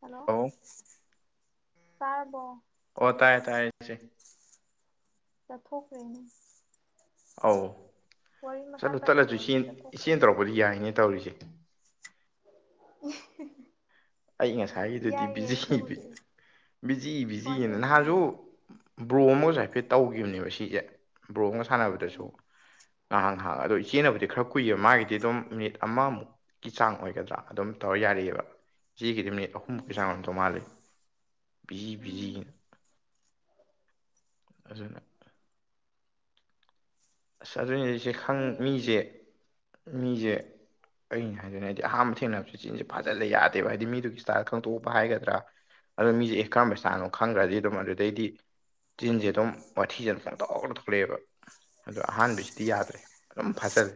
hello ꯑꯧ ꯇꯥꯔꯕꯣ ꯑꯣ ꯇꯥꯏꯌꯦ ꯇꯥꯏꯌꯦ ꯏꯆꯦ ꯆꯠꯊꯣꯛꯈ꯭ꯔꯦꯅꯦ ꯑꯧ ꯋꯥꯔꯤ ꯃꯈꯥ ꯆꯠꯂꯨ ꯇꯠꯂꯖꯨ ꯇꯥꯊꯔꯛꯑꯣꯅꯦ ꯏꯆꯦ ꯏꯆꯦꯅ ꯆꯠꯊꯣꯛꯈ꯭ꯔꯦꯅꯦ ꯇꯧꯔꯛꯄꯗꯤ ꯌꯥꯏꯅꯦ ꯇꯧꯔꯤꯖꯦ ꯍꯦ ꯍꯦ ꯑꯩ ꯉꯁꯥꯏꯒꯤꯗꯨꯗꯤ ꯕꯤꯖꯤ ꯕꯤꯖꯤ ꯀꯃꯥꯏꯅ ꯕꯤꯖꯤꯅ ꯇꯧꯔꯤꯅꯣ ꯅꯍꯥꯟꯖꯨ ꯅꯪꯗꯤ ꯕ꯭ꯔꯣ ꯑꯃꯒꯖꯨ ꯍꯥꯏꯐꯦꯠ ꯇꯧꯒꯤꯕꯅꯦꯕ ꯁꯤꯖꯦ ꯕ꯭ꯔꯣ ꯑꯃꯒ ꯁꯥꯟꯅꯕꯗꯁꯨ ꯎꯝ ꯉꯍꯥꯛ ꯉꯍꯥꯛ ꯑꯗꯣ ꯏꯆꯦꯟꯅꯕꯨꯗꯤ ꯈꯔ ꯀꯨꯏꯑꯦꯕ ꯃꯥꯒꯤꯗꯤ ꯑꯗꯨꯝ ꯃꯤꯅꯤꯠ ꯑꯃꯃꯨꯛꯀꯤ ꯆꯥꯡ ꯑꯣꯏꯒꯗ꯭ꯔꯥ ꯑꯗꯨꯝ ꯇꯧꯔ ꯌꯥꯔꯛꯑꯦꯕ [inaudible] ꯏꯆꯦꯒꯤꯗꯤ ꯃꯤꯅꯤꯠ ꯑꯍꯨꯝꯃꯨꯛꯀꯤ ꯆꯥꯡ ꯎꯝ ꯑꯣꯏꯔꯝꯗꯧ ꯃꯥꯜꯂꯦ ꯕꯤꯖꯤ ꯎꯝ ꯕꯤꯖꯤꯅ ꯑꯗꯨꯅꯦ ꯑꯁ ꯑꯗꯨꯅꯦ ꯏꯆꯦ ꯈꯪ ꯃꯤꯒꯤ ꯃꯤꯖꯦ ꯃꯤꯖꯦ ꯑꯩꯅ ꯍꯥꯏꯗꯣꯅꯦ ꯑꯩꯗꯤ ꯑꯍꯥꯟꯕ ꯊꯦꯡꯅꯕꯖꯦ ꯆꯤꯟꯖꯦ ꯐꯥꯖꯜꯂꯦ ꯌꯥꯗꯦꯕ ꯍꯥꯏꯗꯤ ꯃꯤꯗꯨꯒꯤ ꯏꯁꯇꯥꯥꯏꯜ ꯈꯪꯗꯣꯛꯄ ꯍꯥꯏꯒꯗ꯭ꯔꯥ ꯑꯗꯣ ꯃꯤꯖꯦ ꯑꯦ ꯀꯔꯝꯕ ꯏꯁꯇꯥꯏꯜꯅꯣ ꯈꯪꯒ꯭ꯔꯗꯤ ꯑꯗꯨꯝ ꯑꯗꯨꯗꯩꯗꯤ ꯆꯤꯟꯖꯦ ꯑꯗꯨꯝ ꯋꯥꯊꯤꯖꯦ ꯄꯪ ꯊꯣꯛꯇ ꯊꯣꯛꯂꯛꯑꯦꯕ ꯑꯗꯣ ꯑꯍꯥꯟꯕꯁꯤꯗꯤ ꯌꯥꯗ꯭ꯔꯦ ꯑꯗꯨꯝ ꯐꯥꯖꯜꯂꯦ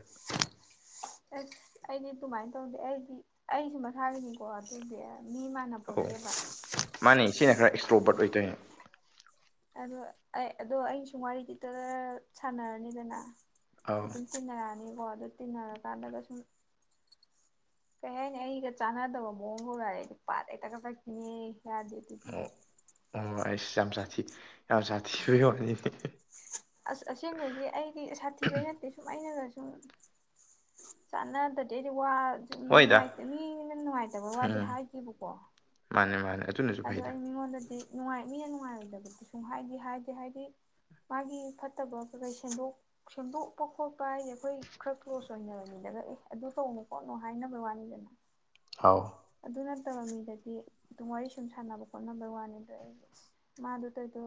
ꯑꯁ ꯑꯩꯗꯤ ꯑꯗꯨꯃꯥꯏꯅ ꯇꯧꯗꯦ ꯑꯩ ꯗꯤ ꯑꯩꯁꯨ ꯃꯁꯥꯒꯤꯅꯤꯀꯣ ꯁꯤꯖꯦ ꯑꯧ ꯃꯥꯅꯦ ꯏꯆꯦꯅ ꯈꯔ ꯑꯦꯛꯁꯇ꯭ꯔꯣꯕꯔꯠ ꯑꯣꯏꯇꯧꯏꯅꯦ ꯑꯗꯣ ꯑꯩ ꯑꯗꯣ ꯑꯩ ꯁꯨꯝ ꯋꯥꯔꯤ ꯗꯔꯔ ꯁꯥꯟꯅꯔꯅꯤꯗꯅ ꯑꯧ ꯑꯗꯨꯝ ꯇꯤꯟꯅꯔꯛꯑꯅꯤꯀꯣ ꯑꯗꯨ ꯇꯤꯟꯅꯔꯀꯥꯟꯗꯒ ꯁꯨꯝ ꯀꯩ ꯍꯥꯏꯅꯤ ꯑꯩꯒ ꯆꯥꯟꯅꯗꯕ ꯃꯑꯣꯡꯒ ꯎꯔꯛꯑꯗꯤ ꯅꯨꯄꯥꯗꯣ ꯍꯦꯛꯇ ꯀꯛꯊꯠꯈꯤꯅꯦ ꯌꯥꯗꯦ ꯑꯩꯗꯤ ꯑꯣ ꯑꯣ ꯑꯩꯁ ꯌꯥꯝ ꯖꯥꯇꯊꯤ ꯌꯥꯝ ꯖꯥꯠꯊꯤꯕꯩꯋꯥꯅꯤ ꯑꯁ ꯑꯁꯦꯡꯕꯒꯤ ꯑꯩꯒꯤ ꯁꯥꯊꯤꯕꯩ ꯅꯠꯇꯦ ꯁꯨꯝ ꯑꯩꯅꯒ ꯎꯝ ꯆꯥꯟꯅꯗꯗꯤ ꯑꯗꯩꯋꯥ ꯑꯗꯨ ꯍꯣꯏꯗ ꯅꯨꯡꯉꯥꯏꯇꯦ ꯃꯤꯅ ꯅꯨꯡꯉꯥꯏꯇꯕ ꯋꯥꯗꯤ ꯎꯝ ꯍꯥꯏꯗꯦꯕꯀꯣ ꯃꯥꯅꯦ ꯃꯥꯅꯦ ꯑꯗꯨꯅꯁꯨ ꯑꯗꯣ ꯐꯩꯗ ꯑꯩ ꯃꯤꯉꯣꯟꯗꯗꯤ ꯅꯨꯡꯉꯥꯏ ꯃꯤꯅ ꯅꯨꯡꯉꯥꯏꯔꯣꯏꯗꯕꯗꯤ ꯁꯨꯡ ꯍꯥꯏꯗꯤ ꯍꯥꯏꯗꯤ ꯍꯥꯏꯗꯤ ꯃꯥꯒꯤ ꯐꯠꯇꯕ ꯀꯩꯩ ꯁꯦꯝꯗꯣꯛ ꯁꯦꯝꯗꯣꯛꯄ ꯈꯣꯠꯄ ꯍꯥꯏꯁꯦ ꯑꯩꯈꯣꯏ ꯈꯔ ꯀ꯭ꯂꯣꯁ ꯑꯣꯏꯅꯔꯗꯤꯅꯦ ꯑꯗ ꯑꯦ ꯑꯗꯨ ꯇꯧꯅꯨ ꯈꯣꯠꯅꯨ ꯍꯥꯏꯅꯕ ꯋꯥꯅꯤꯗꯅ ꯑꯧ ꯑꯗꯨ ꯅꯠꯇꯕ ꯃꯤꯗꯗꯤ ꯑꯗꯨꯝ ꯋꯥꯔꯤ ꯁꯨꯝ ꯁꯥꯟꯅꯕ ꯈꯣꯠ ꯅꯕꯩ ꯋꯥꯟꯅꯤꯗꯣ ꯃꯥꯗꯨ ꯇꯩꯗꯣ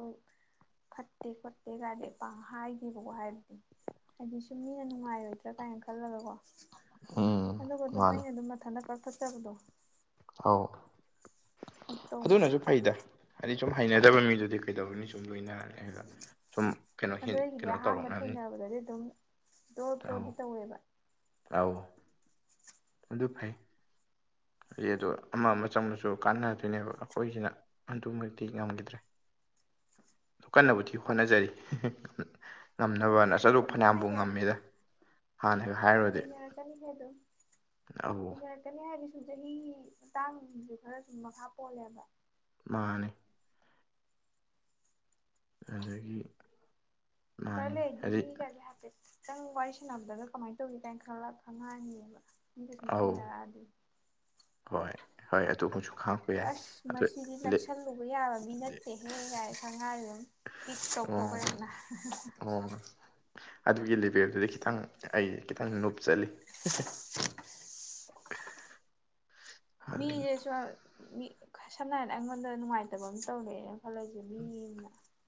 ꯐꯠꯇꯦ ꯈꯣꯠꯇꯦ ꯀꯥꯏꯗꯦ ꯄꯥꯡ ꯍꯥꯏꯗꯦꯕꯀꯣ ꯍꯥꯏꯕꯗꯤ ꯍꯥꯏꯗꯤ ꯁꯨꯝ ꯃꯤꯅ ꯅꯨꯡꯉꯥꯏꯔꯣꯏꯗ꯭ꯔꯥ ꯀꯥꯏꯅ ꯈꯜꯂꯒ ꯀꯣ ꯎꯝ ꯑꯗꯨꯒ ꯑꯗꯨꯝ ꯃꯥꯅꯦ ꯑꯩꯅ ꯑꯗꯨꯝ ꯃꯊꯟꯗ ꯀꯠꯊꯠꯆꯕꯗꯣ ꯑꯧ ꯇꯧꯕ ꯑꯗꯨꯅꯁꯨ ꯐꯩꯗ ꯍꯥꯏꯗꯤ ꯁꯨꯝ ꯍꯩꯅꯗꯕ ꯃꯤꯗꯨꯗꯤ ꯀꯩꯗꯧꯅꯤ ꯁꯨꯝ ꯂꯣꯏꯅꯔ ꯂꯩꯔꯒ ꯁꯨꯝ ꯀꯩꯅꯣ ꯑꯗꯣ ꯍꯦꯟ ꯑꯩꯒꯤꯗꯤ ꯀꯩꯅꯣ ꯑꯍꯥꯝꯕ ꯇꯧꯔꯛꯅꯕꯅꯤ ꯊꯦꯡꯅꯕꯗꯗꯤ ꯑꯗꯨꯝ ꯗ꯭ꯔꯣ ꯑꯧ ꯗ꯭ꯔꯣꯗꯤ ꯇꯧꯋꯦꯕ ꯑꯧ ꯑꯗꯨ ꯐꯩ ꯐꯩ ꯑꯗꯨ ꯑꯃ ꯑꯃ ꯆꯪꯕꯁꯨ ꯀꯥꯟꯅꯗꯣꯏꯅꯦꯕ ꯑꯩꯈꯣꯏꯁꯤꯅ ꯑꯗꯨꯃꯛꯇꯤ ꯉꯝꯒꯤꯗ꯭ꯔꯦ [inaudible] ꯀꯟꯅꯕꯨꯗꯤ ꯍꯣꯠꯅꯖꯔꯤ [unintelligible] ꯉꯝꯅꯕꯅ ꯑꯁ ꯑꯗꯨ ꯑꯗꯨꯝ ꯐꯅ꯭ꯌꯥꯝꯕꯨ ꯍꯩꯅ ꯉꯝꯃꯦꯗ ꯍꯥꯟꯅꯒ ꯍꯥꯏꯔꯨꯔꯗꯤ ꯍꯩꯅꯔꯛꯀꯅꯤꯍꯦ ꯗꯨꯝ ꯑꯧ ꯍꯩꯅꯔꯛꯀꯅꯤ ꯍꯥꯏꯗꯤ ꯆꯍꯤ ꯃꯇꯥꯡꯒꯤ ꯈꯔꯁꯨ ꯃꯈꯥ ꯄꯣꯜꯂꯦꯕ ꯃꯥꯅꯦ ꯑꯗꯒꯤ ꯈꯔ ꯃꯥꯅꯤ ꯂꯩꯔꯗꯤ ꯍꯥꯏꯗꯤ ꯃꯤꯒꯁꯦ ꯍꯥꯞꯄꯦꯠ ꯈꯤꯇꯪ ꯋꯥꯔꯤ ꯁꯥꯟꯅꯕꯗꯒ ꯀꯃꯥꯏꯅ ꯇꯧꯏ ꯀꯥꯏꯅ ꯈꯜꯂꯛ ꯈꯪꯉꯛꯅꯤꯕ ꯃꯤꯗ ꯁꯨꯝ ꯑꯧ ꯊꯦꯡꯅꯔꯛꯑꯗꯤ ꯍꯣꯏ ꯍꯣꯏ ꯑꯗꯨꯃꯁꯨ ꯈꯥꯡꯉꯛꯄ ꯌꯥꯏ ꯑꯁ ꯑꯗꯨ ꯃꯁꯤꯗꯤ ꯂꯦ ꯅꯛꯁꯜꯂꯨꯕ ꯌꯥꯕ ꯃꯤ ꯅꯠꯇꯦꯍꯦ ꯀꯥꯏ ꯈꯪꯉꯛꯑꯅꯤ ꯆꯤꯠ ꯑꯣ ꯇꯧꯊꯣꯛꯈ꯭ꯔꯦꯅ [unintelligible] [unintelligible] ꯑꯗꯨꯒꯤ ꯂꯦꯚꯦꯜꯗꯨꯗꯤ ꯈꯤꯇꯪ ꯑꯩ ꯈꯤꯇꯪ ꯅꯨꯞ ꯆꯠꯂꯤ [unintelligible] [inaudible] ꯃꯤꯖꯦ ꯑꯗꯨꯅ ꯁꯨꯝ ꯃꯤ ꯁꯝꯅ ꯍꯥꯏꯗ ꯑꯩꯉꯣꯟꯗ ꯅꯨꯡꯉꯥꯏꯇꯕ ꯑꯃ ꯇꯧꯔꯛꯑꯦ ꯈꯜꯂꯁꯦ ꯃꯤ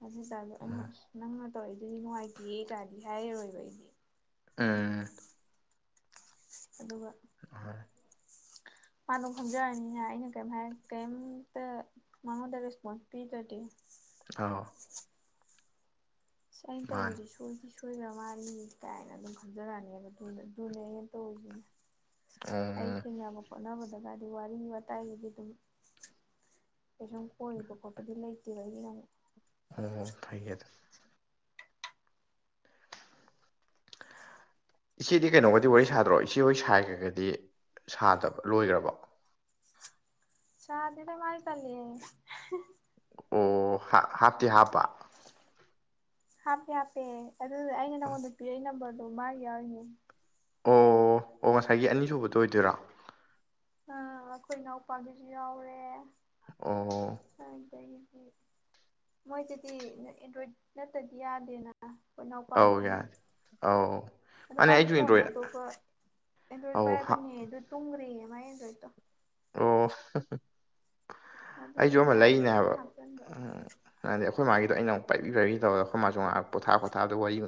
ꯑꯝꯅ ꯑꯗꯨꯇꯥꯔꯁꯨ ꯑꯩꯅ ꯅꯪꯅ ꯇꯧ ꯑꯩ ꯑꯗꯨꯗꯤ ꯅꯨꯡꯉꯥꯏꯇꯤꯌꯦ ꯀꯥꯏꯗꯤ ꯍꯥꯏꯔꯔꯣꯏꯕ ꯑꯩꯗꯤ [unintelligible] ꯑꯗꯨꯒ [unintelligible] [inaudible] ꯃꯥꯗꯣ ꯈꯪꯖꯔꯅꯤꯅ ꯑꯩꯅ ꯀꯩꯝ ꯍꯥꯏ ꯀꯩꯝꯇ ꯃꯉꯣꯟꯗ ꯔꯦꯁꯄꯣꯟꯁ ꯄꯤꯗ꯭ꯔꯗꯤ ꯑꯧ ꯑꯁ ꯑꯩ ꯇꯧꯕꯁꯦ ꯁꯣꯏꯗꯤ ꯁꯣꯏꯅ ꯃꯥꯂꯤ ꯀꯥꯏꯅ ꯑꯗꯨꯝ ꯈꯟꯖꯔꯛꯑꯅꯦꯕ ꯑꯗꯨꯗ ꯑꯗꯨꯅꯦ ꯑꯩꯅ ꯇꯧꯔꯤꯁꯤꯅ ꯑꯩ ꯎꯝ ꯊꯦꯡꯅꯕ ꯈꯣꯠꯅꯕꯗꯒꯗꯤ ꯋꯥꯔꯤ ꯋꯥꯇꯥꯏꯒꯤꯗꯤ ꯑꯗꯨꯝ ꯀꯩꯁꯨꯝ ꯀꯣꯏꯔꯤꯕ ꯈꯣꯠꯄꯗꯤ ꯂꯩꯇꯦꯕ ꯑꯩꯒꯤꯅ ꯃꯨꯛ ꯑꯣ ꯐꯩꯌꯦ ꯑꯗꯨꯒꯧ [inaudible] ꯏꯆꯦꯗꯤ ꯀꯩꯅꯣꯒꯗꯤ ꯋꯥꯔꯤ ꯁꯥꯗ꯭ꯔꯣ ꯏꯆꯦꯍꯣꯏ ꯁꯥꯏꯒꯒꯗꯤ ꯁꯥꯗꯕ ꯂꯣꯏꯔꯕꯣ ꯁꯥꯗꯦꯗ ꯃꯥꯗꯤ ꯇꯜꯂꯦꯌꯦ [unintelligible] ꯑꯣ ꯍꯥ ꯍꯥꯞꯇꯤ ꯍꯥꯞꯄ ꯍꯥꯞꯄꯦ ꯍꯥꯞꯄꯦ ꯑꯗꯨ ꯑꯩꯅ ꯅꯪꯉꯣꯟꯗ ꯄꯤꯔꯛꯢ ꯅꯝꯕꯔꯗꯣ ꯃꯥꯒꯤ ꯌꯥꯎꯔꯤꯅꯦ ꯑꯣ ꯑꯣ ꯉꯁꯥꯏꯒꯤ ꯑꯅꯤꯁꯨꯕꯗꯣ ꯑꯣꯏꯗꯣꯏꯔꯣ ꯑꯥ ꯑꯩꯈꯣꯏ ꯏꯅꯥꯎꯄꯥꯒꯤꯁꯨ ꯌꯥꯎꯔꯦ ꯑꯣ ꯃꯣꯏꯁꯤꯗꯤ ꯑꯦꯟꯗ꯭ꯔꯣꯏꯗ ꯅꯠꯇꯗꯤ ꯌꯥꯗꯦꯅ ꯑꯩꯈꯣꯏ ꯑꯧ ꯏꯅꯥꯎꯄꯥꯒꯤꯗꯨꯅ ꯌꯥꯗꯦ ꯑꯧ ꯑꯗꯣ ꯃꯥꯅꯦ ꯃꯥꯁꯦ ꯑꯩꯁꯨ ꯐꯣꯟ ꯑꯦꯟꯗ꯭ꯔꯣꯏꯗ ꯑꯇꯣꯞꯄ ꯑꯦꯟꯗ꯭ꯔꯣꯏꯗ ꯑꯧ ꯍꯥ- ꯄꯥꯏꯔꯕꯅꯦ ꯑꯗꯨ ꯇꯨꯝꯒ꯭ꯔꯦꯌꯦ ꯃꯥꯢ ꯑꯦꯟꯗ꯭ꯔꯣꯢꯗ ꯇꯣ ꯑꯣꯁ [unintelligible] ꯑꯗꯨꯗꯣ ꯑꯩꯖꯨ ꯑꯃ ꯂꯩꯅꯦ ꯌꯥꯗꯕ ꯑꯩ ꯍꯥꯏꯕ ꯍꯥꯞꯆꯟꯕ ꯎꯝ ꯌꯥꯗꯦ ꯑꯩꯈꯣꯏ ꯃꯥꯒꯤꯗꯣ ꯑꯩꯅ ꯑꯃꯨꯛ ꯄꯥꯏꯕꯤ ꯄꯥꯏꯕꯤ ꯇꯧꯋꯦ ꯑꯩꯈꯣꯏ ꯃꯥꯁꯨ ꯉꯥꯏꯍꯥꯛ ꯄꯣꯊꯥ ꯄꯣꯊꯥꯕꯗ ꯋꯥꯔꯤ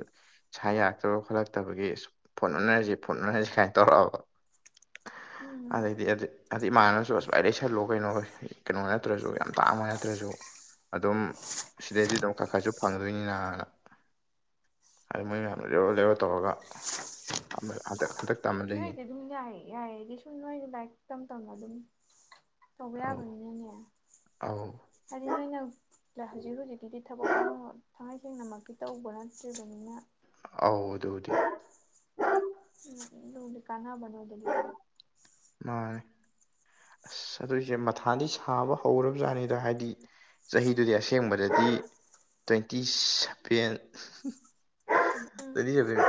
ꯁꯥ ꯌꯥꯔꯛꯇꯕ ꯈꯣꯠꯂꯛꯇꯕꯒꯤ ꯏꯁ ꯐꯣꯟ ꯑꯣꯟꯅꯖꯤ ꯐꯣꯟ ꯑꯣꯟꯅꯔꯖꯤ ꯁꯥꯏꯅ ꯇꯧꯔꯛꯑꯕ [inaudible] ꯎꯝ ꯑꯥꯗꯩꯗꯤ ꯌꯥꯗꯦ [unintelligible] ꯇꯥꯡꯕ ꯅꯠꯇ꯭ꯔꯁꯨ ꯑꯗꯨꯝ ꯁꯤꯗꯩꯗꯤ ꯑꯗꯨꯝ ꯈꯔ ꯈꯔꯁꯨ ꯐꯪ [inaudible] ꯅꯣꯏꯗꯤ ꯑꯗꯨꯝ ꯌꯥꯏꯑꯦ ꯌꯥꯏꯑꯦꯗꯤ ꯁꯨꯝ ꯅꯣꯏꯖꯨ ꯂꯥꯏꯔꯤꯛ ꯇꯝ ꯇꯝꯅ ꯑꯗꯨꯝ ꯇꯧꯕ ꯑꯧ ꯌꯥꯕꯅꯤꯅꯅꯦ ꯑꯧ ꯍꯥꯏꯗꯤ ꯅꯣꯏꯅ ꯗ ꯍꯧꯖꯤꯛ ꯍꯧꯖꯤꯛꯀꯤꯗꯤ ꯊꯕꯛ ꯑꯃ ꯊꯥꯉꯩꯁꯦꯡꯅꯃꯛꯀꯤ ꯇꯧꯕ ꯅꯠꯇ꯭ꯔꯤꯕꯅꯤꯅ ꯑꯧ ꯑꯗꯨꯕꯨꯗꯤ ꯎꯝ ꯑꯗꯨꯕꯨꯗꯤ ꯀꯟꯅꯕꯅꯦ ꯅꯣꯢꯗꯗꯤꯀꯣ ꯃꯥꯅꯦ ꯑꯁ ꯑꯗꯨ ꯏꯆꯦ ꯃꯊꯥꯗꯤ ꯁꯥꯕ ꯍꯧꯔꯕꯖꯥꯠꯅꯤꯗ ꯍꯥꯏꯗꯤ ꯆꯍꯤꯗꯨꯗꯤ ꯑꯁꯦꯡꯕꯗꯗꯤ twenty seven twenty seven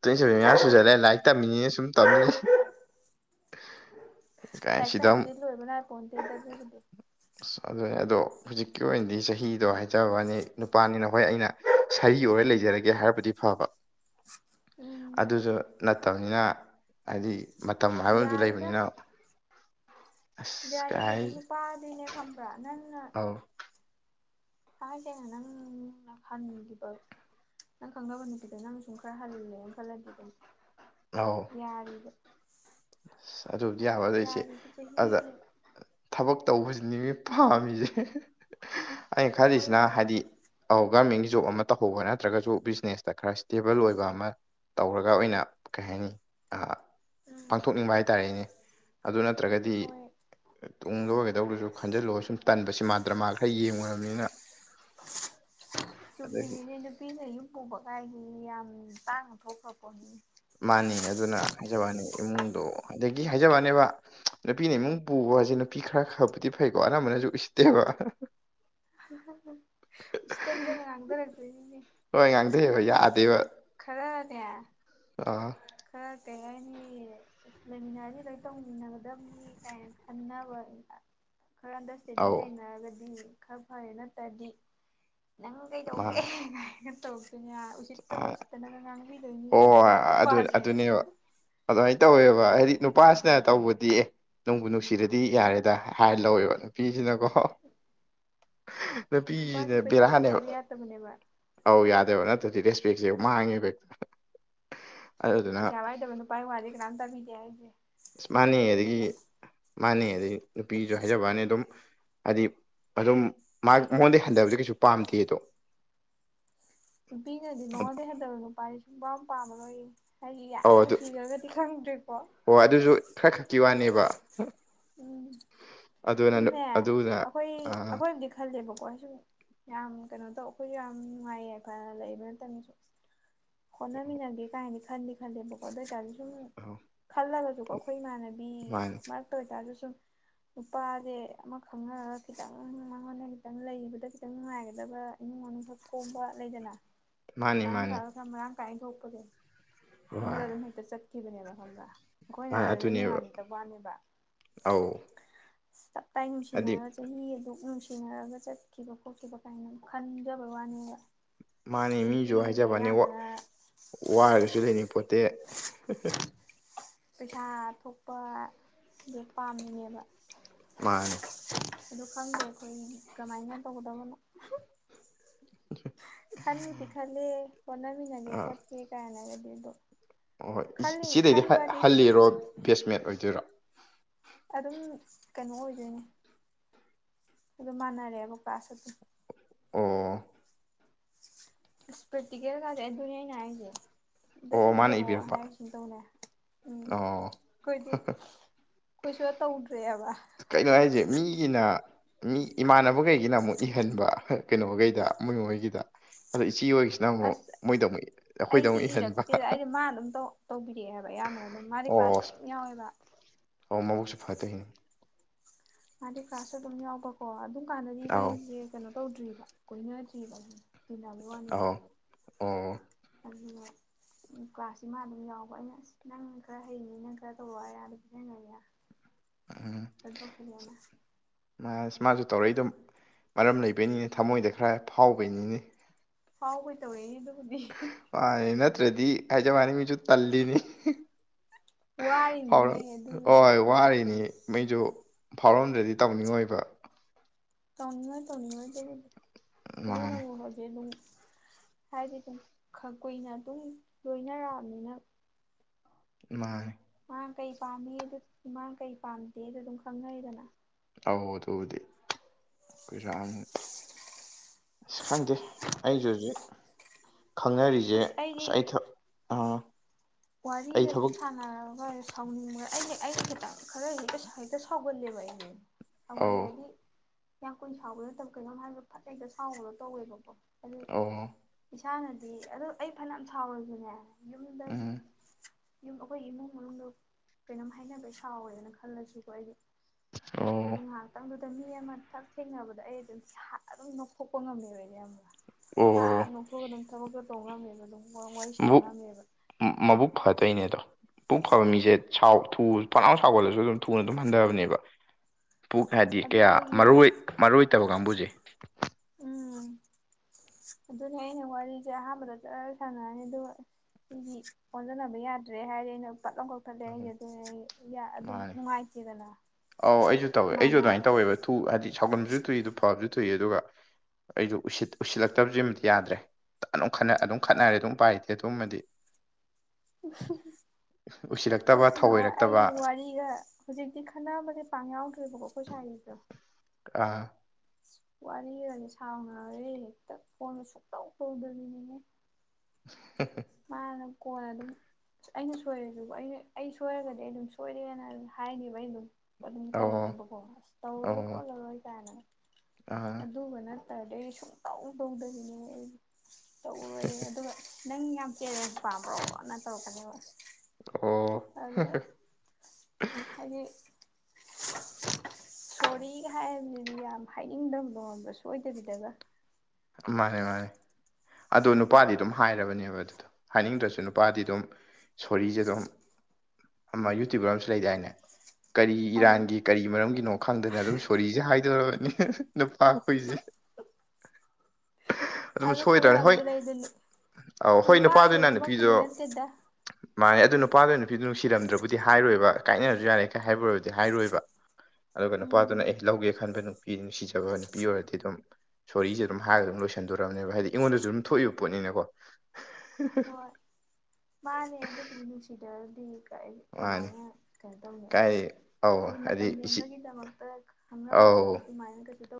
twenty seven ꯃꯌꯥ ꯁꯨꯖꯜ ꯂꯦ ꯂꯥꯏꯔꯤꯛ ꯇꯝꯃꯤꯅꯤꯅꯦ ꯁꯨꯝ ꯇꯝꯃꯤꯅꯦ ꯂꯥꯢꯛ ꯑꯃꯨꯛ ꯇꯝꯕꯗꯤ ꯂꯣꯏꯕ ꯅꯥꯢꯄꯣꯠꯇꯦꯗ ꯑꯗꯨꯕꯨꯗꯤ ꯑꯁ ꯑꯗꯨꯅꯦ ꯑꯗꯣ ꯍꯧꯖꯤꯛꯀꯤ ꯑꯣꯏꯅꯗꯤ ꯆꯍꯤꯗꯣ ꯍꯥꯏꯖꯕꯩ ꯋꯥꯅꯤ ꯅꯨꯄꯥꯅꯤꯅ ꯍꯣꯏ ꯑꯩꯅ ꯁꯥꯔꯤ ꯑꯣꯏ ꯂꯩꯖꯔꯒꯦ ꯍꯥꯏꯔꯕꯨꯗꯤ ꯐꯕ [inaudible] ꯎꯝ ꯑꯗꯨꯁꯨ ꯅꯠꯇꯕꯅꯤꯅ ꯍꯥꯏꯗꯤ ꯃꯇꯝ ꯍꯥꯏꯕ ꯑꯃꯁꯨ ꯌꯥꯔꯤꯗ ꯂꯩꯕꯅꯤꯅ ꯑꯁ ꯌꯥꯔꯤ ꯍꯥꯏꯗꯤ ꯅꯨꯄꯥꯗꯤꯅꯦ ꯈꯪꯕ꯭ꯔꯥ ꯅꯪ ꯑꯥꯎ ꯊꯥꯉꯩꯁꯦꯡꯅ ꯅꯪꯅ ꯈꯟꯒꯤꯕ ꯅꯪ ꯈꯪꯅꯕ ꯅꯨꯄꯤꯗꯣ ꯅꯪ ꯁꯨꯝ ꯈꯔ ꯍꯜꯂꯦꯅ ꯈꯜꯂꯗꯤ ꯑꯗꯨꯝ ꯑꯧ ꯌꯥꯔꯤꯕ ꯑꯁ ꯑꯗꯨꯕꯨꯗꯤ ꯌꯥꯕꯗ ꯏꯆꯦ ꯌꯥꯔꯤꯕ ꯆꯍꯤ ꯑꯗ ꯊꯕꯛ ꯇꯧꯕꯁꯤꯅꯤ ꯄꯥꯝꯃꯤꯁꯦ ꯑꯩꯅ ꯈꯜꯂꯤꯁꯤꯅ ꯍꯣꯏꯅꯦ ꯍꯥꯏꯗꯤ ꯑ ꯒꯔꯃꯦꯟꯒꯤ ꯖꯣꯕ ꯑꯃ ꯇꯧꯍꯧꯕ ꯅꯠꯇ꯭ꯔꯒꯁꯨ ꯕꯤꯖꯤꯅꯦꯁꯇ ꯈꯔ ꯏꯁꯇꯦꯕꯜ ꯑꯣꯏꯕ ꯑꯃ ꯇꯧꯔꯒ ꯑꯣꯏꯅ ꯀꯩ ꯍꯥꯏꯅꯤ ꯑꯥ ꯎꯝ ꯄꯥꯡꯊꯣꯛꯅꯤꯡꯕ ꯍꯥꯏꯇꯥꯔꯦꯅꯦ ꯑꯗꯨ ꯅꯠꯇ꯭ꯔꯒꯗꯤ ꯍꯣꯏ ꯇꯨꯡꯗ ꯑꯣꯏꯒ ꯗꯧꯕꯁꯨ ꯈꯟꯖꯤꯜꯂꯒ ꯁꯨꯝ ꯇꯟꯕ ꯁꯤꯃꯥ ꯗ꯭ꯔꯃꯥ ꯈꯔ ꯌꯦꯡꯉꯨꯔꯕꯅꯤꯅ ꯑꯗꯒꯤ ꯆꯨꯝꯃꯤꯁꯤꯅꯦ ꯅꯨꯄꯤꯅ ꯌꯨꯝ ꯄꯨꯕ ꯀꯥꯏꯖꯦ ꯌꯥꯝ ꯇꯥꯡꯅ ꯊꯣꯛꯈ꯭ꯔ ꯄꯣꯠꯅꯤꯅꯦ ꯃꯥꯅꯤ ꯑꯗꯨꯅ ꯍꯥꯏꯖꯕꯋꯥꯅꯤ ꯏꯃꯨꯡꯗꯣ ꯑꯗ ꯒꯤ ꯍꯥꯏꯖꯕꯅꯦꯕ ꯅꯨꯄꯤꯅ ꯏꯃꯨꯡ ꯄꯨꯕꯖꯦ ꯅꯨꯄꯤ ꯈꯔ ꯈꯔꯕꯨꯗꯤ ꯐꯩꯀꯣ ꯑꯅꯝꯕꯅꯁꯨ ꯎꯁꯤꯠꯇꯦꯕ [inaudible] ꯎꯁꯤꯠꯇꯕꯤꯗ ꯉꯥꯡꯊꯔꯛꯇꯣꯏꯁꯤꯅꯦ ꯂꯣꯏ ꯉꯥꯡꯊꯩꯑꯕ ꯑꯗꯨꯝ ꯌꯥꯗꯦꯕ ꯑꯥ ꯈꯔꯅꯦꯈꯔ ꯀꯩ ꯍꯥꯏꯅꯤ ꯃꯤ ꯂꯩꯃꯤꯟꯅꯁꯤ ꯂꯣꯏ ꯇꯧꯃꯤꯟꯅꯒꯗꯕꯅꯤ ꯀꯥꯏꯅ ꯈꯟꯅꯕ ꯈꯔ ꯑꯟꯗꯔꯁꯇꯦꯟꯗꯤꯡ ꯑꯧ ꯂꯩꯅꯔꯒꯗꯤ ꯈꯔ ꯐꯔꯦ ꯅꯠꯇ꯭ꯔꯗꯤ ꯅꯪ ꯃꯥ ꯀꯩꯗꯧꯒꯦ ꯇ ꯎ ꯎꯆꯁꯤꯠꯇꯂ ꯎ ꯎꯆꯁꯤꯠꯇꯅ ꯉꯥꯡꯕꯤꯗꯣꯏꯅꯤ ꯑꯣ ꯑꯗꯨ ꯅꯨꯄꯥꯁꯦ ꯑꯗꯨꯅꯦꯕ ꯑꯗꯨꯃꯥꯏꯅ ꯇꯧꯋꯦꯕ ꯍꯥꯏꯗꯤ ꯅꯨꯄꯥꯁꯤꯅ ꯇꯧꯕꯗꯤ ꯑꯦ ꯅꯪꯕꯨ ꯅꯨꯡꯁꯤꯔꯗꯤ ꯌꯥꯔꯦꯗ ꯍꯥꯏꯔ ꯂꯧꯋꯦꯕ ꯅꯨꯄꯤꯁꯤꯅꯀꯣ ꯅꯨꯄꯥꯁꯦ ꯅꯨꯄꯤꯁꯤꯅ ꯄꯩꯁꯥ ꯕꯦꯅꯦꯕ ꯊꯣꯛꯇꯕ ꯌꯥꯗꯕꯅꯦꯕ ꯑꯧ ꯌꯥꯗꯦꯕ ꯅ ꯔꯦꯁꯄꯦꯛꯁꯦ ꯃꯥꯡꯉꯦꯕ ꯑꯗꯨꯗꯨꯅ ꯄꯩꯁꯥ ꯑꯁ ꯄꯥꯏꯖꯕ ꯅꯨꯄꯥ ꯋꯥꯗꯤꯀꯥꯅꯥꯝ ꯇꯥꯕꯤꯗꯦ ꯑꯁ ꯃꯥꯅꯦ ꯑꯗꯒꯤ ꯑꯁꯦꯡꯕꯩꯅꯦꯕ ꯃꯥꯅ ꯑꯗꯒꯤ ꯅꯨꯄꯤꯁꯨ ꯍꯥꯏꯖꯕꯩ ꯋꯥꯅꯦ ꯑꯗꯨꯝ ꯍꯥꯏꯗꯤ ꯑꯗꯨꯝ ꯃꯉꯣꯟꯗ ꯍꯟꯊꯕꯗꯤ ꯀꯩꯁꯨ ꯄꯥꯝꯗꯦ ꯑꯗꯣ ꯅꯨꯄꯤꯅꯗꯤ ꯃꯉꯣꯟꯗꯒꯤ ꯍꯟꯊꯕ ꯅꯨꯄꯥꯁ ꯁꯨꯡꯄꯥꯝ ꯄꯥꯝ ꯄꯦꯝꯂꯣꯏꯌꯦ ꯑꯧ ꯑꯗꯨ ꯑꯣ ꯑꯗꯨꯁꯨ ꯈꯔ ꯈꯛꯀꯤ ꯋꯥꯅꯦꯕ ꯎꯝ ꯑꯗꯨꯅ ꯁꯨꯝꯅꯦ ꯑꯗꯨꯅ ꯑꯩꯈꯣꯏ ꯑꯥ ꯑꯩꯈꯣꯏꯕꯨꯗꯤ ꯈꯜꯂꯦꯕꯣ ꯍꯣꯏ ꯁꯨꯝ ꯌꯥꯝ ꯀꯩꯅꯣ ꯇꯧ ꯑꯩꯈꯣꯏꯁꯨ ꯌꯥꯝ ꯅꯨꯡꯉꯥꯏ ꯌꯥꯏꯐꯅ ꯂꯩꯕ ꯅꯠꯇꯕꯅꯤꯅ ꯍꯣꯠꯅꯃꯤꯟꯅꯒꯦ ꯀꯥꯏꯅꯤ ꯈꯟꯗꯤ ꯈꯜꯂꯤꯦꯕꯀꯣ ꯑꯗꯨ ꯇꯥꯔꯁꯨ ꯁꯨꯝ ꯑꯧ ꯈꯜꯂꯒꯁꯨꯀꯣ ꯑꯩꯈꯣꯏ ꯏꯃꯥꯟꯅꯕꯤ ꯃꯥꯅꯤ ꯃꯔꯛꯇ ꯑꯣꯏꯇꯥꯔꯁꯨ ꯁꯨꯝ ꯅꯨꯄꯥꯁꯦ ꯑꯃ ꯈꯪꯅꯔꯒ ꯈꯤꯇꯪ ꯃꯉꯣꯟꯗ ꯈꯤꯇꯪ ꯂꯩꯕꯗ ꯈꯤꯇꯪ ꯅꯨꯡꯉꯥꯏꯒꯗꯕ ꯏꯃꯨꯡ ꯃꯅꯨꯡ ꯈ ꯀꯣꯝꯕ ꯂꯩꯗꯅ ꯃꯥꯅꯤ ꯄꯩꯁꯥ ꯃꯥꯅꯤ ꯅꯨꯡꯁꯥꯒ ꯈꯔ ꯃꯔꯥꯡ ꯀꯥꯏꯅ ꯊꯣꯛꯄꯗꯣ ꯍꯣꯏ ꯑꯝꯗ ꯑꯗꯨꯝ ꯍꯦꯛ ꯆꯠ ꯆꯠꯈꯤꯕꯅꯦꯕ ꯈꯪꯕ꯭ꯔꯥ ꯑꯩꯈꯣꯏꯅ ꯃꯥ ꯑꯗꯨꯗꯩ ꯑꯗꯨꯅꯦꯕ ꯅꯨꯡꯉꯥꯏꯖꯗꯕ ꯋꯥꯅꯦꯕ ꯑꯧ ꯇꯞꯇꯥꯥꯏ ꯍꯥꯏꯗꯤ ꯅꯨꯡꯁꯤꯅꯔꯒ ꯆꯍꯤ ꯑꯗꯨꯛ ꯅꯨꯡꯁꯤ ꯁꯤꯟꯅꯔꯒ ꯆꯠꯈꯤꯕ ꯈꯣꯠꯈꯤꯕ ꯀꯥꯏꯅ ꯈꯟꯖꯕ ꯋꯥꯅꯦꯕ ꯃꯥꯅꯤ ꯃꯤꯁꯨ ꯅꯨꯄꯤꯒꯤ ꯍꯥꯏꯖꯕꯅꯦ ꯆꯥ ꯑꯌꯥꯝꯕꯅ ꯋꯥꯔꯒꯁꯨ ꯂꯩꯅꯤ ꯄꯣꯠꯇꯦ ꯍꯦ ꯍꯦ ꯄꯩꯁꯥ ꯊꯣꯛꯄ ꯍꯦꯛ ꯄꯥꯝꯃꯤꯅꯦꯕ ꯃꯥꯅꯦ ꯑꯗꯨ ꯈꯪꯗꯕ ꯈꯣꯏꯒꯤ ꯀꯃꯥꯏꯅ ꯇꯧꯒꯗꯕꯅꯣ ꯈꯟꯂꯨꯗꯤ ꯈꯜꯂꯦ ꯍꯣꯠꯅꯃꯤꯟꯅꯒꯦ ꯈꯣꯠꯀꯦ ꯀꯥꯏꯅꯒꯗꯤ ꯑꯗꯣ ꯑꯍꯣꯏ ꯈꯜꯂꯤꯅꯤ ꯏꯆꯦꯗꯩꯗꯤ ꯈꯟꯕꯗꯤ ꯁꯨꯝ ꯍꯜꯂꯤꯔꯣ ꯕꯦꯁꯃꯦꯠ ꯑꯣꯏꯗꯣꯏꯔꯣ ꯑꯗꯨꯝ ꯀꯩꯅꯣ ꯑꯣꯏꯗꯣꯏꯅꯦ ꯑꯗꯨꯝ ꯃꯥꯟꯅꯔꯦꯕ ꯀꯥꯂꯥꯁ ꯁꯦ ꯑꯗꯨꯝ ꯑꯣ ꯄꯔꯦꯛꯇꯤꯀꯦꯜ ꯒꯥꯏꯁꯦ ꯑꯗꯨꯅꯦ ꯑꯩꯅ ꯍꯥꯏꯁꯦ ꯗꯗ ꯑꯣ ꯃꯥꯅ ꯁꯤꯟꯇꯧꯔꯛꯑꯣ ꯏꯕꯤꯔꯛꯄ ꯍꯥꯏꯔ ꯁꯤꯟꯇꯧꯅꯦ ꯎꯝ ꯑꯣ ꯑꯩꯈꯣꯏꯗꯤ ꯈꯣꯏ ꯁꯨꯡꯇꯧ ꯇꯧꯗ꯭ꯔꯦꯕ ꯀꯩꯅꯣ ꯍꯥꯏꯁꯦ ꯃꯤꯒꯤꯅ ꯃꯤ ꯏꯃꯥꯟꯅꯕꯒꯩꯒꯤꯅ ꯑꯃꯨꯛ ꯏꯍꯜꯂꯣ ꯀꯩꯅꯣꯒꯩꯗ ꯃꯣꯏ ꯃꯣꯏꯒꯤꯗ ꯑꯗꯣ ꯏꯁ ꯑꯁ ꯑꯩꯈꯣꯏꯗ ꯑꯩꯗꯤ ꯑꯃꯨꯛ ꯏꯍꯟꯕ ꯏꯔꯛꯇꯦꯗ ꯑꯩꯗꯤ ꯃꯥꯅ ꯑꯗꯨꯝ ꯇꯧ ꯇꯧꯕꯤꯔꯛꯑꯦꯕ ꯑꯌꯥꯝꯕꯅ ꯑꯗꯨꯝ ꯃꯥꯗꯤ ꯀ꯭ꯂꯥꯁ ꯑꯗꯨꯝ ꯌꯥꯎꯋꯦꯕ ꯑꯧ ꯃꯕꯨꯛꯁꯨ ꯐꯠꯇꯣꯏꯅꯦ ꯃꯥꯗꯤ ꯀ꯭ꯂꯥꯁꯁꯨ ꯑꯗꯨꯝ ꯌꯥꯎꯕꯀꯣ ꯑꯗꯨꯝ ꯀꯥꯟꯗꯗꯤ ꯏꯕꯥ ꯑꯧ ꯑꯩꯁꯦ ꯀꯩꯅꯣ ꯇꯧꯗ꯭ꯔꯤꯕ ꯀꯣꯏꯅꯗ꯭ꯔꯤꯕ ꯇꯤꯟꯅꯕꯒꯤ ꯋꯥꯅꯦꯕ ꯑꯧ ꯑꯣ ꯑꯗꯨ ꯀ꯭ꯂꯥꯁꯁꯤ ꯃꯥ ꯑꯗꯨꯝ ꯌꯥꯎꯕ ꯑꯩꯅ ꯑꯁ ꯅꯪ ꯈꯔ ꯍꯩꯌꯦ ꯅꯪ ꯈꯔ ꯇꯧꯔꯣ ꯍꯥꯏꯔ ꯎꯝ ꯁꯖꯤꯟꯅꯩ [unintelligible] ꯃꯥꯁꯨ ꯇꯧꯔꯛꯏꯗꯣ ꯃꯔꯝ ꯂꯩꯕꯩꯅꯤꯅꯦ ꯊꯃꯣꯏꯗ ꯈꯔ ꯐꯥꯎꯕꯩꯅꯤꯅꯦ ꯐꯥꯎꯕꯩ ꯇꯧꯔꯛꯏꯅꯦ ꯑꯗꯨ ꯃꯥꯅꯦ ꯅꯠꯇ꯭ꯔꯗꯤ ꯍꯥꯏꯖꯕꯋꯥꯅꯤ ꯃꯤꯖꯨ ꯇꯜꯂꯤꯅꯤ ꯐꯥꯎꯔ ꯋꯥꯔꯤꯅꯤꯅꯦ ꯑꯗꯨꯕꯨꯗꯤ ꯑꯣꯏ ꯋꯥꯔꯤꯅꯤ ꯃꯤꯖꯨ ꯐꯥꯎꯔꯝꯗ꯭ꯔꯗꯤ ꯇꯧꯅꯤꯡꯉꯣꯏꯕ ꯇꯧꯅꯤꯡꯉꯣꯏ ꯇꯧꯅꯤꯡꯉꯣꯏ ꯗꯨꯕꯨꯗꯤ ꯃꯥꯅꯤ ꯑꯗꯨꯅꯕꯨ ꯍꯧꯖꯤꯛ ꯑꯗꯨꯝ ꯍꯥꯏꯗꯤ ꯑꯗꯨꯝ ꯈ ꯀꯨꯏꯅ ꯑꯗꯨꯝ ꯂꯣꯏꯅꯔꯛꯑꯝꯅꯤꯅꯥ ꯃꯥꯅꯦ ꯃꯥ ꯀꯩ ꯄꯥꯝꯃꯤ ꯑꯗꯨ ꯃꯥ ꯀꯩ ꯄꯥꯝꯗꯦꯗꯨ ꯑꯗꯨꯝ ꯈꯪꯅꯩꯗꯅꯥ ꯑꯧ ꯑꯗꯨꯕꯨꯗꯤ ꯀꯨꯏꯔꯛꯑꯝꯅꯤ ꯑꯁ ꯈꯪꯗꯦ ꯑꯩꯖꯨ ꯍꯧꯖꯤꯛ ꯈꯪꯅꯔꯤꯖꯦ ꯑꯁ ꯑꯩ ꯊ ꯑꯝ ꯋꯥꯔꯤꯒ ꯁꯨꯝ ꯁꯥꯟꯅꯔꯒ ꯁꯥꯎꯅꯤꯡꯕ꯭ꯔ ꯑꯩ ꯍꯦꯛ ꯑꯩꯩꯅ ꯈꯤꯇ ꯈꯔ ꯍꯦꯛꯇ ꯍꯦꯛꯇ ꯁꯥꯎꯒꯜꯂꯦꯕ ꯑꯩꯖꯦ ꯁꯥꯎꯒꯜꯂꯦ ꯑꯧ ꯍꯥꯏꯗꯤ ꯌꯥꯝ ꯀꯨꯏꯅ ꯁꯥꯎꯕ ꯅꯠꯇꯕ ꯀꯩꯅꯣꯝ ꯍꯥꯏꯕꯗ ꯐꯠ ꯍꯦꯛꯇ ꯁꯥꯎꯕꯗꯣ ꯇꯧꯋꯦꯕꯀꯣ ꯑꯗꯨ ꯑꯣ ꯏꯁꯥꯅꯗꯤ ꯑꯗꯣ ꯑꯩ ꯐꯅ꯭ꯌꯥꯝ ꯁꯥꯎꯖꯨꯅꯦ ꯌꯨꯝꯗꯒꯤ ꯎꯝ ꯌꯨꯝ ꯑꯈꯣꯏꯒꯤ ꯏꯃꯨꯡ ꯃꯅꯨꯡꯗꯣ ꯀꯩꯅꯣꯝ ꯍꯥꯏꯅꯕꯩ ꯁꯥꯎꯋꯦꯅ ꯈꯜꯂꯖꯤꯀꯣ ꯑꯩꯗꯤ ꯑꯣ ꯑꯗꯣ ꯃꯤ ꯑꯃ ꯊꯛ ꯊꯦꯡꯅꯕꯗ ꯑꯩ ꯑꯗꯨꯝ ꯍꯥ ꯑꯗꯨꯝ ꯅꯣꯛꯊꯣꯛꯄ ꯉꯝꯃꯦꯕ ꯑꯩꯖꯦ ꯏꯌꯥꯝꯕ ꯍꯥ ꯑꯣ ꯅꯣꯛꯊꯣꯛꯑꯒ ꯑꯗꯨꯝ ꯊꯕꯛꯇꯣ ꯇꯧ ꯉꯝꯃꯦꯕ ꯑꯗꯨꯝ ꯋꯥ ꯋꯥꯔꯤ ꯁꯥꯟꯅ ꯉꯝꯃꯦꯕ ꯐ ꯇꯩꯅꯦ ꯑꯗꯣ ꯄꯨꯨꯛ ꯐꯕ ꯃꯤꯖꯦ ꯁꯥꯎ ꯊꯨ ꯐ ꯂꯥꯎ ꯁꯥꯎꯒꯜꯂꯖꯨ ꯑꯗꯨꯝ ꯊꯨꯅ ꯑꯗꯨꯝ ꯍꯟꯗꯕꯅꯦꯕ ꯄꯨꯛ ꯍꯥꯏꯗꯤ ꯑꯗꯣ ꯀꯌꯥ ꯑꯩꯒꯤꯅ ꯃꯔꯣꯏ ꯃꯔꯣꯏꯇꯕ ꯀꯥꯡꯕꯨꯖꯦ ꯎꯝ ꯑꯗꯨꯅꯦ ꯑꯩꯅ ꯋꯥꯔꯤꯖꯦ ꯑꯍꯥꯟꯕꯗ ꯖꯔ ꯁꯥꯟꯅꯔꯅꯤ ꯑꯗꯨꯒ ꯁꯤꯗꯤ ꯑꯣꯟꯖꯟꯅꯕ ꯌꯥꯗ꯭ꯔꯦ ꯍꯥꯏꯔꯦꯅꯥ ꯄꯠꯂꯥꯎ ꯀꯛꯊꯠꯂꯦ ꯑꯩꯖꯦ ꯎꯝ ꯑꯗꯨ ꯑꯩ ꯑꯗꯨꯝ ꯃꯥꯅꯤ ꯅꯨꯡꯉꯥꯏꯇꯦꯗꯅꯥ ꯑꯧ ꯑꯩꯖꯨ ꯇꯧꯋꯦ ꯑꯩꯖꯨ ꯑꯗ꯭ꯋꯥꯏꯅ ꯇꯧꯋꯦꯕ ꯊꯨ ꯍꯥꯏꯗꯤ ꯁꯥꯎꯒꯟꯕꯖꯨ ꯊꯨꯏ ꯑꯗꯨ ꯐꯕꯖꯨ ꯊꯨꯏ ꯑꯗꯨꯒ ꯑꯩꯖꯨ ꯎꯁꯤꯠ ꯎꯁꯤꯠꯂꯛꯇꯕꯖꯤꯃꯗꯤ ꯌꯥꯗ꯭ꯔꯦ ꯑꯅꯣ ꯈꯠꯅ ꯑꯗꯨꯝ ꯈꯠꯅꯔꯦ ꯑꯗꯨꯝ ꯄꯥꯏ ꯂꯩꯇꯦ ꯑꯗꯨꯃꯗꯤ [unintelligible] ꯎꯁꯤꯜꯂꯛꯇꯕ ꯑꯁ ꯅꯥꯍꯥꯋꯥꯏ ꯊꯧꯑꯣꯏꯔꯛꯇꯕ ꯑꯩꯒꯤ ꯋꯥꯔꯤꯒ ꯍꯧꯖꯤꯛꯇꯤ ꯈꯟꯅꯕꯖꯦ ꯄꯥꯛꯅ ꯌꯥꯎꯗ꯭ꯔꯦꯕꯀꯣ ꯑꯩꯈꯣꯏꯁꯥꯏ ꯒꯤꯒ ꯑꯥ ꯋꯥꯔꯤꯒꯗꯤ ꯁꯥꯎꯅꯔꯨꯏ ꯍꯦꯛꯇ ꯐꯣꯟꯒ ꯁꯨꯛꯇꯧ ꯇꯧꯗꯕꯤꯅꯤꯍꯦ ꯍ ꯍ ꯀꯣꯟꯅ ꯑꯗꯨꯝ ꯑꯩꯅ ꯁꯣꯏꯔꯗꯤꯕꯣ ꯑꯩꯅ ꯑꯩ ꯁꯣꯏꯔꯒꯗꯤ ꯑꯩ ꯑꯗꯨꯝ ꯁꯣꯏꯔꯦꯅ ꯍꯥꯏꯅꯦꯕ ꯑꯩ ꯑꯗꯨꯝ ꯑꯗꯨꯝ ꯑꯧ ꯇꯧꯅꯦꯕꯀꯣ ꯑꯁ ꯇꯧꯔꯔꯣꯏ ꯑꯧ ꯈꯣꯠꯂꯔꯣꯏ ꯀꯥꯏꯅ ꯑꯥ ꯑꯗꯨꯒ ꯅ ꯇ꯭ꯔꯗꯤ ꯑꯩꯗꯤ ꯁꯨꯡꯇꯧ ꯇꯧꯗꯕꯤꯅꯦ ꯑꯩ ꯇꯧꯔꯣꯏꯅ ꯑꯗꯨꯒ ꯅꯪ ꯌꯥꯝ ꯌꯦ ꯌꯥꯝ ꯄꯥꯝꯕ꯭ꯔꯣꯅ ꯇꯧꯔꯛꯀꯅꯦꯕ ꯑꯣ ꯑꯗꯣ ꯍꯥꯏꯗꯤ [inaudible] ꯁꯣꯔꯤꯒ ꯍꯥꯏꯕꯗꯨꯗꯤ ꯌꯥꯝ ꯍꯥꯏꯅꯤꯡꯗꯕꯗꯣ ꯈꯪꯕ꯭ꯔꯥ ꯁꯣꯏꯗꯕꯤꯗꯒ ꯃꯥꯟꯅꯦ ꯃꯥꯟꯅꯦ ꯑꯗꯣ ꯅꯨꯄꯥꯗꯤ ꯑꯗꯨꯝ ꯍꯥꯏꯔꯕꯅꯦꯕ ꯑꯗꯨꯗꯣ ꯍꯥꯏꯅꯤꯡꯗ꯭ꯔꯁꯨ ꯅꯨꯄꯥꯗꯤ ꯑꯗꯨꯝ ꯁꯣꯔꯤꯖꯦ ꯑꯗꯨꯝ ꯑꯃ ꯌꯨꯇ꯭ꯨꯕꯔ ꯑꯝꯁꯨ ꯂꯩꯗꯥꯏꯅꯦ ꯀꯔꯤ ꯑꯧ ꯏꯔꯥꯟꯒꯤ ꯀꯔꯤ ꯃꯔꯝꯒꯤꯅꯣ ꯈꯪꯗꯅ ꯑꯗꯨꯝ ꯁꯣꯔꯤꯖꯦ ꯍꯥꯏ ꯗꯧꯔꯨꯅꯤ ꯅꯨꯄꯥ ꯈꯣꯏꯖꯦ ꯑꯗꯨ ꯈꯔ ꯑꯝꯖꯨ ꯂꯩꯕꯅꯤ ꯑꯧ ꯍꯣꯏ ꯅꯨꯄꯥ ꯅꯨꯄꯥꯗꯨꯅ ꯂꯣꯏꯅꯃꯛꯄꯨꯗꯤ ꯅꯨꯄꯤꯗꯣ ꯅꯠꯇꯦꯗꯥ ꯃꯥꯅꯦ ꯑꯗꯨ ꯅꯨꯄꯥꯗꯨ ꯅꯨꯄꯤꯗꯨ ꯅꯨꯡꯁꯤꯔꯝꯗ꯭ꯔꯕꯨꯗꯤ ꯍꯥꯏꯔꯣꯏꯕ ꯀꯥꯏꯅꯔꯖꯨ ꯌꯥꯔꯦ ꯀ ꯍꯥꯏꯕꯕꯨꯗꯤ ꯍꯥꯏꯔꯣꯏꯕ ꯑꯗꯨꯒ ꯎꯝ ꯅꯨꯄꯥꯗꯨꯅ ꯑꯦ ꯂꯧꯒꯦ ꯈꯟꯕ ꯅꯨꯄꯤ ꯅꯨꯡꯁꯤꯖꯕ ꯅꯨꯄꯤ ꯑꯣꯏꯔꯗꯤ ꯑꯗꯨꯝ ꯁꯣꯔꯤꯖꯦ ꯑꯗꯨꯝ ꯍꯥꯏꯔꯒ ꯑꯗꯨꯝ ꯂꯣꯏꯁꯟꯗꯣꯔꯕꯅꯦꯕ ꯍꯥꯏꯗꯤ ꯑꯩꯉꯣꯟꯗꯖꯨ ꯑꯗꯨꯝ ꯊꯣꯛꯏꯕ ꯄꯣꯠꯅꯤꯅꯀꯣ ꯍꯣꯏ ꯀꯃꯥꯏ ꯃꯥꯅꯤ ꯀꯩ ꯇꯧꯅꯦ ꯀꯥꯏ ꯑꯧ ꯍꯥꯏꯗꯤ ꯃꯇꯝ ꯏꯆꯤ ꯂꯦꯟꯕꯒꯤꯗꯃꯛꯇ ꯈꯪꯅꯕꯗꯨꯗꯤ ꯑꯧ ꯑꯗꯨꯃꯥꯏꯅ ꯀꯩꯁꯨ ꯇꯧ